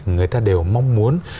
người ta đều mong muốn